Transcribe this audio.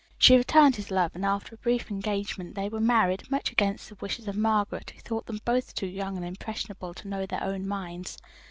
She returned his love, and after a brief engagement they were married, much against the wishes of Margaret, who thought them both too young and impressionable to know their own minds."